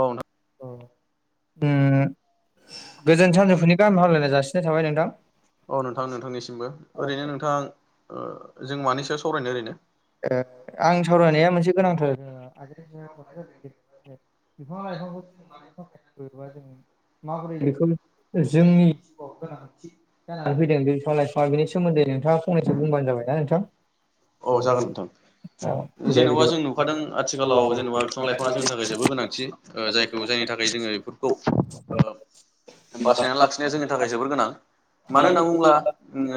औ नोंथां उम गोजोन सानजौफुनि गाहाम हामलायनाय जासिनाय थाबाय नोंथां। ओरैनो नोंथां थरथिँ जों मानि सायाव सावरायनो ओरैनो? आं सावरायनाया मोनसे गोनांथार बिफां लाइफांखौ [unintelligible] जों माबोरै बेखौ जोंनि जिउआव गोनांथि जानानै फैदों बे बिफां लाइफांआ बेनि सोमोन्दै नो नोंथाङा फंनैसो बुंबानो जाबाय ना नोंथां। औ जागोन नोंथां। जेन'बा जों नुखादों आथिखालाव जेन'बा बिफां लाइफाङा जोंनि थाखाय जेबो गोनांथि जायखौ जायनि नि थाखाय जोङो बेफोरखौ औ बासायना लाखिनाया जोंनि थाखाय जोबोर गोनां। मानो होनना बुङोब्ला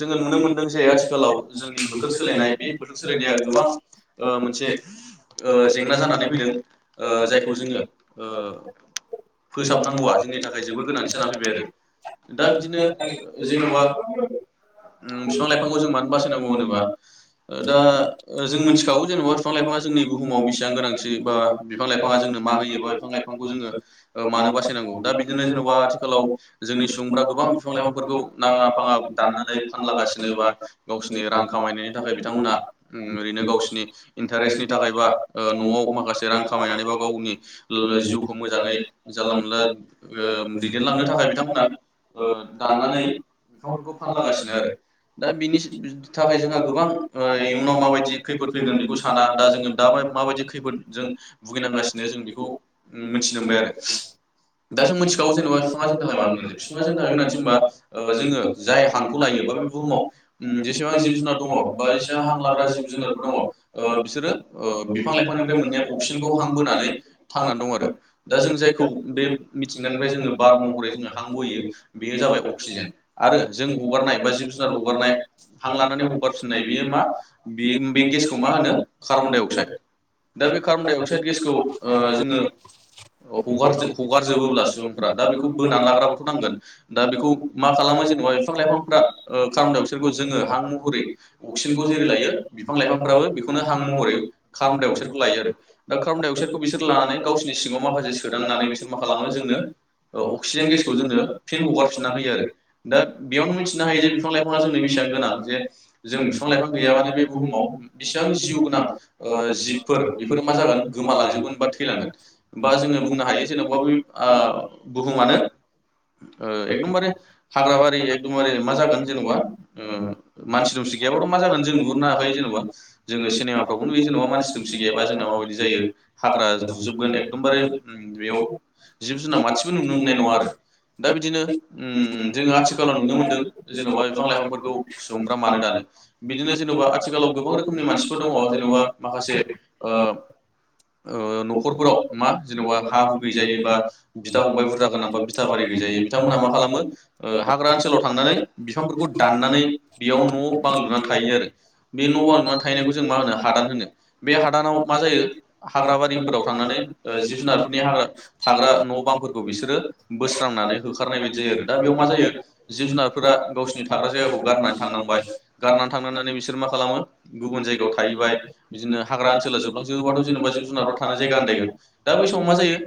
जोङो नुनो मोनदों जे आथिखालाव जोंनि बोथोर सोलायनाय बे बोथोर सोलायनाया गोबां ओ मोनसे ओ जेंना जानानै फैदों ओ जायखौ जोङो ओ फोसाबनांगौआ जोंनि थाखाय जोबोद गोनांथि जाना फैबाय आरो दा बिदिनो जेन'बा बििफां लाइफांखौ जों मानो बासायनांगौ होनोबा दा जों मिथिखागौ जेन'बा बिफां लाइफाङा जोंनि बुहुमाव बेसेबां गोनांथि बा बिफां लाफांङा जोंनो बिफां लाइफांखौ जोंङो ओ मानो बिसायनांगौ दा बिदिनो जेनेबा आथिखालाव जोंनि सुबुंफोरा ओ गोबां गोबां बिफां लाइफांफोरखौ नाङा फाङा दाननानै फानलागासिनो बा गावसोरनि रां खामायनायनि थाखाय बिथांमोना ओरैनो गावसोरनि इन्टारेस्टनि थाखाय बा ओ न'आव माखासे रां खामायनानै बा गावनि जिउखौ मोजाङै जानला मोनला दैदेनलांनो थाखाय बिथांमोना अ दाननानै बिफांफोरखौ फानलागासिनो आरो दा बिनि थाखाय जोंहा गोबां इयुनाव माबायदि खैफोद फैगोन बेखौ साना दा जोङो दा माबायदि खैफोदजों भुगिनांगासिनो जों जों बेखौ मोनथिनो मोनबाय आरो। दा जों मिथिगौ जेन'ब बिफाङाज जोंनि थाखाय मानो गोनांथि बिफाङा जोंनि थाखाय गोनांथि ओ जोङो जाय हांखौ लायोबा बे बुहुमाव जेसेबां जिब जुनार दङ हां लाग्रा जिब जुनारफोर दङ ओ बिसोरो ओ बिफां लाइफांनिफ्राय मोननाय अकसिजेनखौ हां बोनानै थांनानै दं आरो दा जों जायखौ बे मिथिंगानिफ्राय जोङो बार महरै जोङो हांबोयो बेयो जाबाय अक्सिजेन आरो जों हगारनाय बा जिब जुनार हगारनाय हां लानानै हगार नाय बेयो मा बे बे गेसखौ मा होनो कार्बनडाइ अक्साइद दा बे खारबनदायद अक्साइड गेसखौ जोङो हगारजोबोब्ला सुबुंफ्रा दा बेखौ बोनानै लाग्राबोथ' नांगोन खौ मा खालामो जेनेबा बिफां लाइफांफ्रा खारबनदाय अकसायदखौ जोङो हां महरै अक्सिजेनखौ जेरै लायो बिफां लाइफांफ्राबो बेखौनो हां महरै कारबनडाइ अक्साइडखौ लायो आरो दा कारबन दाइ अक्साइड बिसोरखौ बिसोर लानानै गावसोरनि सिङाव माखासे सोदांनानै बिसोर मा खालामो जोंनो अक्सिजेन गेसखौ जोङो फिन हगारफिनना होयो आरो दा बेयावनो मिथिनो हायो जे बिफां लाइफाङा जोंनो बेसेबां गोनां जे जों बिफां लाइफां गैयाबानो बे बुहुमाव बिसेबां जिउ गोनां जिबफोर बेफोरो मा जागोन गोमालांजोबगोन बा थैलांगोन बा जोङो बुंनो हायो जेनेबा बे बुहुमानो [inaudible] एकदमबारे हाग्रा बारि एकदमबारे मा जागोन जेनेबा मानसि दंसि गोयाबाथ' मा जों नुहुरनो हायाख जेनबा जोङो सिनेमाफोरखौखौबो नुयो जेनेब मानसि दुमसि गैयाबा जोंना माबायदि जायो हाग्रा दुजोबगोन एकदमबारे बेयाव जिब जुनार माथसेबो नुनो मोननाय नङा आरो दा बिदिनो जोङो आथिखालाव नुनो मोनदों जेन'बा बिफां लाइफांफोरखौ सुबुंफ्रा मानो दानो बिदिनो जेन'बा आथिखालाव गोबां रोखोमनि मानसिफोर दङ जेन'बा माखासे न'खरफोराव मा जेन'बा हा हु गैजायैबा बिदा फंबाय बुरजा गांबा बिथा बारि गैजायै बिथांमोनहा मा खालामो हाग्रा ओनसोलाव थांनानै बिफांफोरखौ दाननानै बेयाव न' न बां लुना थायो आरो बे न'-बां लुना थाहैनाय खौ जों मा होनो हादान होनो बे हादानाव मा जायो हाग्रा बारि फोराव थांनानै जिब जुनारफोरनि ह थाग्रा न' बांफोरखौ बिसोरो बोस्रांनानै होखार हरनायदि जायो दा बेयाव मा जायो जिब जुनारफोरा गावसिोरनि थाग्रा जायगाखौ गारनानै थांनांबाय गारनानै थांनानै बिसोर मा खालामो गुबुन जायगायाव थाहैबाय बिदिनो हाग्रा ओनसोला जोबलांजोबोबाथ' जेनेबा ज जुनाराव थानो जायगा आन्दायगोन दा बै समाव मा जायो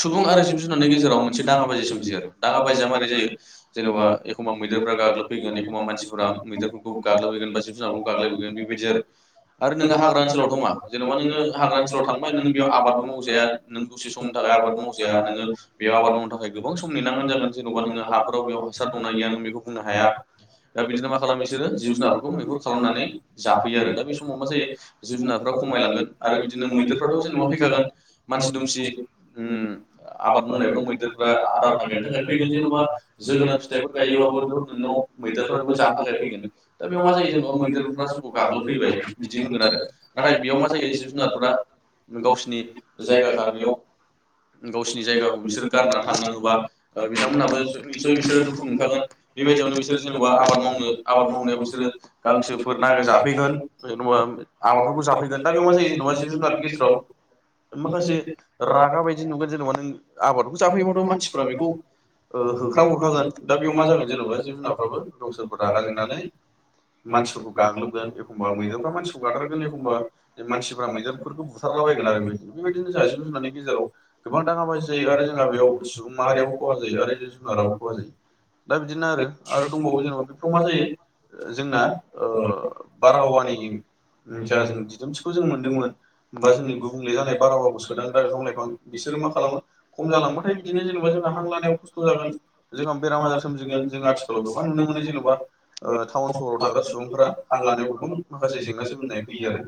सुबुं आरो जिब जुनारनि गेजेराव मोनसे दाङाबाजि सोमजियो आरो दाङ बाजिया मारै जायो जेनेबा एखमबा मैदेरफ्रााग्लोबफैगोन एखमबा मानसिफोरा मैदेरफोरखौ गाग्लोबबोगोन बा जिब जुनारफोरखौ गाग्लायबोगोन बेबायदि आरो आरो नोङो हाग्रा ओनसोलावथ' मा जेन'बा नोङो हाग्रा ओनसोलाव थांबाय नोङो बेयाव आबादबो मावजाया नों दुसे समनि थाखाय आबाद मावजाया नोङो बेयाव आबाद मावनो थाखाय गोबां सम नेनांगोन जोङो जेन'बा नोङो हाफोराव बेयाव हासार दंना गैया नों बेखौ बुंनो हाया दा बिदिनो मा खालाम बिसोर जिब जुनारफोरखौ मैहुर खालामनानै जाफैयो आरो दा बे समाव मा जायो जिब जुनारफ्रा खमायलांगोन आरो बिदिनो मैदेरफ्राथ' जेनेबा फैखागोन मानसि दुमसि आबाद ओम मावनायफ्राव मैदेर आदार नागिरनो थाखाय फैगोन जेन'बा जोगोनार फिथाइफोर गायोबाबो नोंनाव मैदेरफोराबो जानो थाखाय फैगोन दा बेयाव मा जायो जेनबा मैदेरफ्रा जोंखौ गाग्लोबफैबाय बिदि होनगोन आरो नाथाय बेयाव मा जायो जिब जुनारफोरा गावसिनि जायगाखा बेयाव गावसिनि जायगाखौ बिसोर गारनानै थांनाङोबा बिथांमोनहाबो निसय बिसोरो दुखु मोनखागोन बेबायदियावनो बिसोर जेनेबा आबाद मावनो आबाद मावनायाव बिसोरो गांसोफोर नागिर जाफैगोन जेनेबा आबादफोरखौ जाफैगोन दा बेयाव मा जायो जुनारफोरनि गेजेराव माखासे रागा बायदि नुगोन जेनेबा नों आबादखौ जाफैयोबाथ' मानसिफोरा बेखौ ओं होखां हरखागोन दा बेयाव मा जागोन जेन'बा जिब जुनारफ्राबो दसोरबो रागा जोंनानै मानसिफोरखौ गाग्लोबगोन एखमबा मैदेरफ्रा मानसिखौ गाथारगोन एखम्बा मानसिफ्रा मैदेरफोरखौ बुथारगोन आरो बेबायदिनो जों जिब जुनारनि गेजेराव गोबां दाङाबाजि जायो आरो जोंहा बेयाव सुबुं माहारियाबो खहा जायो आरो जिब जुनाराबो खहा जायो दा बिदिनो आरो आरो दंबावो जेनेबा बेफोराव मा जायो जोंना ओ बारहावानि जा जों दिदोमथिखौ जों मोनदोंमोन बा जोंनि गुबुंले जानाय बारहावाखौ सोदांग्रा बिफां लाइफां बिसोर मा खालामो खम जालांबथाय बिदिनो जेनेबा जोंहा हां लानायाव खस्थ' जागोन जोंहा बेराम आजार सोमजिगोन जों आथिखालाव गोबां नुनो मोनो जेन'बा ओ टाउन सहराव थाग्रा सुबुंफोरा हां लानायाव गोबां माखासे जेंना सोमजिनानै फैयो आरो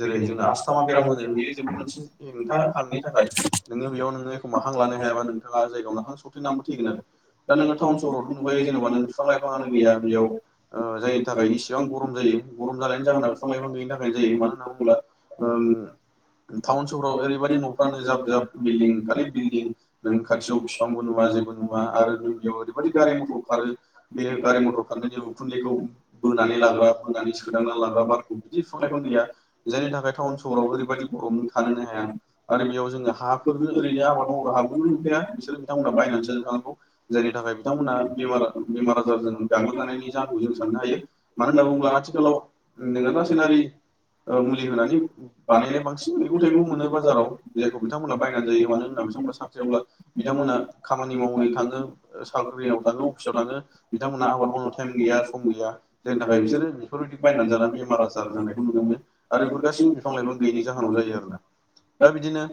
जेरै जोंहा आसथामा बेराम होनो बेनि जेबो मोनसे हेंथा हांनि थाखाय नोङो बेयाव नोङो एखमबा हां जायबा नोंथाङा जायगायाव हां सरथेनानैबो थैगोन आरो दा नोङो टाउन सहरावथ' नुुबोयो जेनेबा नों बिफां लाइफाङानो गैया बेयाव ओ जायनि थाखाय इसेबां गरम जायो गरम जानायनि जाहोनाव बिफां लाइफां गैयिनि थाखायनो जायो मानो होनना बुङोब्ला ओ टाउन सोहराव ओरैबायदि न'फ्रानो जाब जाब बिल्डिं खालि बिल्डं नों खाथियाव बिफांबो नुवा जेबो नुवा आरो नों बेयाव ओरैबादि गारि मथर खारो बे गारि मटरखौ खारनायनि उखुन्दैखौ बोनानै लाग्रा बोनानै सोदांनानै लाग्रा बारखौ बिदि बिफां लाइफां गैया नि थाखाय टाउन सहराव ओरैबायदि गरम नों थानो नों हाया आरो बेयाव जोङो हाफोरजों ओरै बे आबाद मावग्रा हाखौथ' नुखाया बिसोर बिथांमोना बायनानैसो जानांगौ जायनि थाखाय बिथांमोना बेमार आजारजों गाग्लोबजानायनि जाहोनखौ जों साननो हायो मानो होनना बुङोब्ला आथिखालाव नोङो रासायनारि मुलि होनानै बानायनाय बांसिन मैगं थाइगं मोनो बाजाराव जायखौ बिथांमोनहा बायनानै जायो मानो होनबा बिथांमोना साख्रियावब्ला बिथांमोना खामानि मावै थाङो साख्रियाव थाङो अफिसाव थाङो बिथांमोना आबाद मावनो टाइम गैया सम गैया जायनि थाखाय बिसोरो बेफोरबायदि बायनानै जानानै बेमार आजार जानायखौ नुनो मोनो आरो बे गासिबो बिफां लाइफां गैयैनि जाहोनाव जायो आरोना दा बिदिनो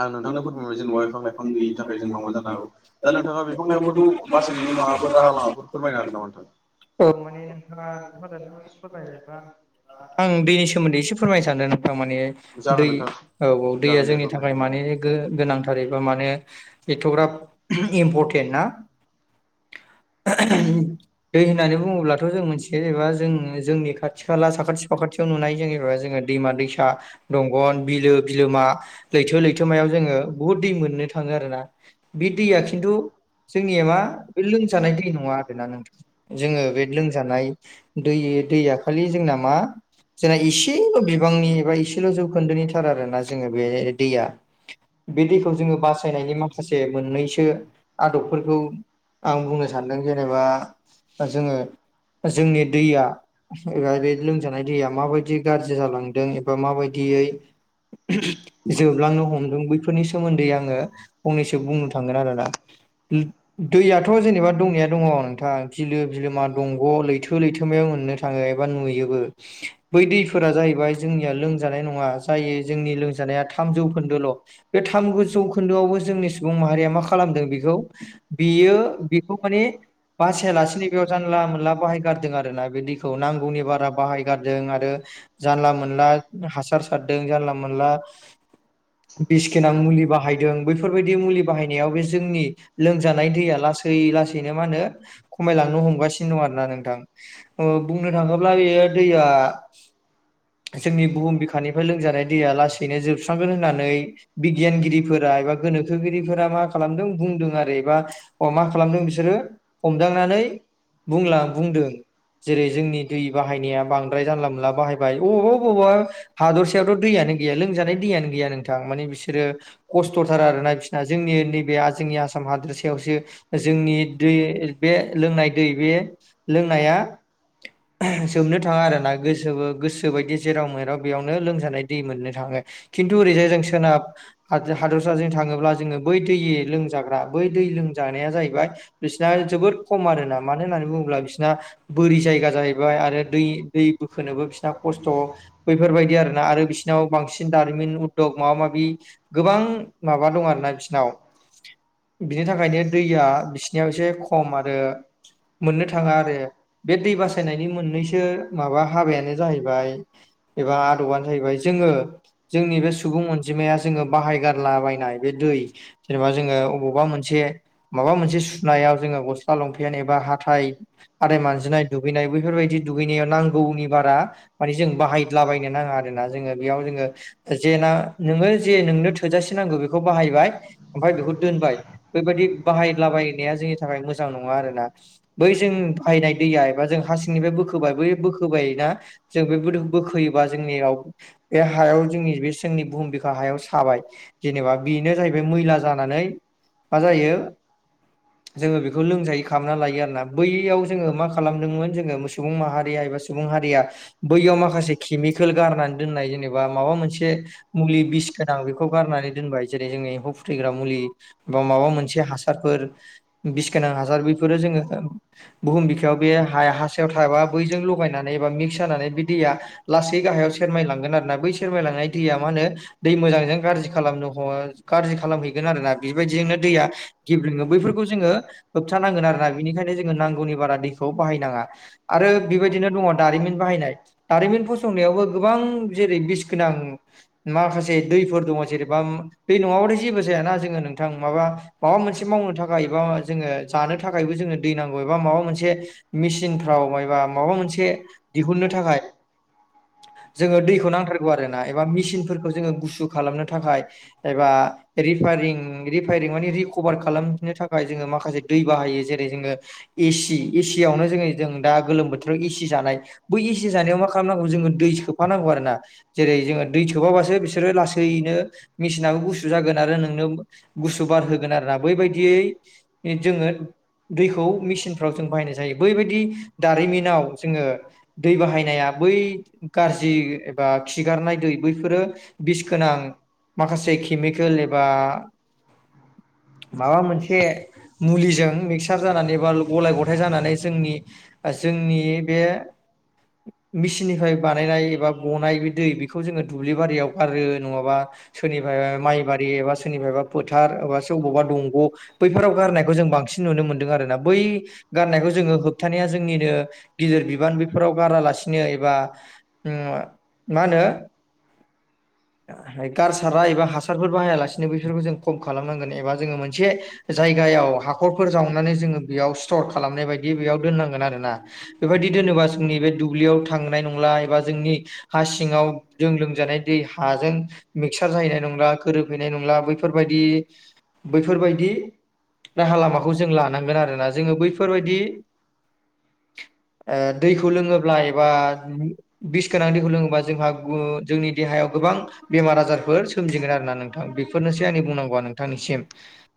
आं नोंथांनो फोरमायबाय जेनेबा बिफां लाइफां गैयिनि थाखाय जोंनाव मा जानो हागौ दा नोंथाङा बिफां लाइांफोरखौ बासायनायनि माबाफोर राहा लामाफोर औ माने नोंथां बिफां लाइफांखौ फोथांनोबा आं दैनि सोमोन्दै एसे फोरमायनो सानदों नोंथांमानि दैआ जोंनि थाखाय औ औ दैया जोंनि थाखाय माने गोनांथार एबा मानो एथ'ग्राब इम्परटेन्ट ना [inaudible] दै होननानै बुङोब्लाथ' जों मोनथिखायो जेनबा जों जोंनि खाथि खाला साखाथि फाखाथियावनो नुनाय जेनेबा जोङो दैमा दैसा दंग बिलो बिलोमा लैथो लैथोमायाव जोङो बुहुत दै मोननो थाङो आरोना बे दैया खिन्थु जोंनिया मा बिलदिंसो। जानाय दै नङा आरोना नोंथां जोङो बे लोंजानाय दै दैया खालि जोंना मा। जोंना इसेल' बिबांनि एबा इसेल' जौखोन्दोनिथार आरोना जोङो बे दैया। बे दैखौ जोङो बासायनायनि माखासे मोननैसो आदबफोरखौ। आं बुंनो सानदों जेनेबा जोङो। जोंनि दैया एबा बे लोमजानाय दैया माबायदि गाज्रि जालांदों एबा माबायदि। दै। [unintelligible] जोबलांनो हमदों बैफोरनि सोमोन्दै आङो फंनैसो बुंनो थांगोन आरोना। ओम। दाथ' जेनेबा दंनाया दङ नोंथां बिलो बिलोमा दंग' लैथो लैथोमायाव मोननो थाङो एबा नुयो। इयावबो बै दैफोरा जाहैबाय जोंनिया लोंजानाय नङा जायो जोंनि लोंजानाया था। जौखौन्दोल' बे थाम जौखोन्दोआवबो जोंनि सुबुं माहारिया मा खालामदों बेखौ। बेयो बिखौ माने। बासियालासिनो बेयाव जानला मोनला बाहायगारदों आरोना बे दैखौ नांगौनि बारा बाहायगारदों आरो। जानला मोनला हासार सारदों जानला मोनला। बिस गोनां मुलि बाहायदों बैफोरबायदि मुलि बाहायनायाव बे जोंनि लोंजानाय दै दैया लासै-लासैनो मा होनो खमायलांनो हमगासिनो दं आरोना नोंथां बुंनो थाङोब्ला बे। अब्ला इयो दैया जोंनि बुहुम बिखानिफ्राय लोंजानाय दैया लासैनो जोबस। थांगोन होननानै बिगियानगिरिफोरा एबा गोनोखोगिरिफोरा मा खालामदों बुंदों आरो एबा। अ मा खालामदों बिसोरो हमदांनानै बुंला बुंदों। जेरै जोंनि दै बाहायनाया बांद्राय जानला मोनला बाहायबाय अबावबा बबावबा हादरसेायावथ' दैयानो। गैया लोंजानाय। दैयानो गैया नोंथां माने बिसोरो खस्थ'थारा आरोना बिसिना जोंनि नैबे जोंनि आसाम हादोरसा। रावसो जोंनि दै बे लोंनाय दै बे लोंनाया। जोबनो थाङा आरो ना गोसो गोसो बायदि जेराव मेराव बेयावनो लोंजानाय दै मोननो थाङो। [unintelligible] खिन्थु ओरैजाय जों सोनाब हादोर-हादरसाजों थाङोब्ला जोङो बै दै ए लोंजाग्रा बै दै लों जानाया जाहैबाय बिसोरना जोबोर खम आरोना मानो होननानै बुङोब्ला बिसोरना बोरि जायगा जाहैबाय। बाय आरो दै बोखोनोबो बिसोरना खस्थ' बैफोरबायदि आरोना आरो बिसिनाव बांसिन दा रिमिन उद्दग माबा माबि‌ गोबां माबा दं आरोना बिसनाव बिनि था खायनो दैया बिसिनियाव एसे खम आरो मोननो थाङा आरो बे दै बासायनायनि मोननैसो माबा हाबायानो जाहैबाय एबा आदबानो थाहैबाय जोङो जोंनि बे सुबुं अनजिमाया जोङो बाहायगारला बायनाय बे दै जेनेबा जोङो अबावबा मोनसे माबा मोनसे सुनायाव जोङो गस्ला लंफेेन एबा हाथाय हाथाय मानजिनाय दुगैनाय बेफोरबाय दि दुगैनायाव नांगौनि बारा माने जों बाहायदलाबायनो नाङा आरोना जोङो बेयाव जोङो जेना नोङो जे नोंनो थोजासे नांगौ बेखौ बाहायबाय ओमफ्राय बेखौ दोनबाय। बेबायदि बाहायग्लाबायनाया जोंनि थाखाय मोजां नङा आरोना बै जों बाहायनाय दैयाबा एबा जों हास सिंनिफाय बोखोबाय बै बोखोबाय ना जों बे बोखोयोबा जोंनियाव बे हायाव जोंनि बे जोंनि बुहुम बिखा हायाव साबाय जेनेबा बेनो जाहैबाय मैला जानानै मा जायो। जोङो बेखौ लोंजायै खालामना लायो आरोना बैयाव जोङो मा खालामदोंमोन जोङो सुबुं माहारिया सुबुं हारिया बैयाव माखासे खेमिकेल गारनानै दोननाय जेनेबा माबा मोनसे मुलि बिस गोनां बेखौ गारनानै दोनबाय जेरै जोंनि एम्फौ फुैथैग्रा मुलि बा माबा मोनसे हासारफोर बिस गोनां हासार बेफोरो जोङो बुहुम बिखायाव बे हा हासायाव थाबा बैजों लगायनानै बा मिक्स जानानै से दैया लासै गाहायाव सेरमायलांगोन आरो ना बै सोरमायलांनाय दैया मा होनो दै मोजांजों गारजि खालाम [unintelligible] खालामहैगोन‌ आरोना बेबायदि दिनो दैया गेब्रेंङो बैफोरखौ जोङो होबथानांगोन आरोना बेनिखायनो जो नांगौनि बारा दैखौ हायनाङा आरो बिबायदिनो दङ दारिमिन बाहायनाय दारिमिन फसंनायावबो गोबां‌ बिस गोनां माखासे दैफोर दङ जेनेबा दै नङाबाथाय जेबो जाया ना जोङो नोंथां माबा माबा मोनसे मावनो थाखाय एबा जोङो जानो थाखायबो जोंनो दै नांगौ एबा माबा मोनसे मेचिनफ्राव माइबा माबा मोनसे दिहुननो थाखाय [inaudible] जोङो दैखौ नांथार गौ आरोना एबा मिचनफोरखौ जोङो गुसु खालामनो थाखाय एबा रिपारिं रिपायरिं रिकभार खालामनो थाखाय जोङो माखासे दै बाहायो जेरै जोङो ए सि एसि यावनो जोङो जों दा गोलोम बोथोराव ए सि जानाय बै ए सि जानायाव मा खालामनांगौ जोङो दै सोफानांगौ आरो ना जेरै जोङो दै थोबाबासो बिसोरो लासैनो मेसिनाबो गुसु जागोन आरो नोंनो गुसु बार होगोन आरोना बैबायदियै जोङो दैखौ मेसिनफ्राव जों बाहायनाय जायो बैबायदि दारिमिनाव जोङो दै बाहायनाया बै गाज्रि एबा खिगारनाय दै बैफोरो बिस गोनां माखासे केमिकेल एबा [inaudible] माबा मोनसे मुलिजों मिक्सार जानानै बा गलाय गथाय जानानै जोंनि ओ जोंनि बे [inaudible] मिसिननिफ्राय बानायनाय एबा गनाय बिदि दै बेखौ जोङो दुब्लि बारियाव गारो नङाबा सोरनिफ्रायबा माइबारि एबा सोरनिफ्रायबा फोथार अब्लासो अबावबा दंग' बैफोराव गारनायखौ जों बांसिन नुनो मोनदों आरोना बै गारनायखौ जोङो थानाया जोंनिनो गिदिर बिबान बेफोराव गारालासिनो एबा मा होनो गारसारा एबा हासारफोर बाहायालासेनो बेफोरखौ जों खम खालामनांगोन एबा जोङो मोनसे जाय गायाव हाखरफोर जावनानै जोङो बियाव स्टर खालामनाय बायदि बियाव दोननांगोन आरोना बिबादि दोनो [unintelligible] जोंनि बे दुब्लियाव थांनाय नंला एबा जोंनि हा सिङाव जों लोंजानाय दै हाजों मिक्सार जाहैनाय नंला गोरोबहैनाय नंला बैफोर बायदि बैफोर बायदि राहा लामाखौ जों लानांगोन आरोना जोङो बैफोर बायदि ओ दैखौ लोङोब्ला एबा बिस गोनां दै फोरोखौ लोङोबा जोंहा जोंनि देहायाव गोबां बेमार आजारफोर सोमजिगोन आरोना नोंथां बेफोरनोसै आंनि बुं बुंनांगौवा नोंथांनिसिम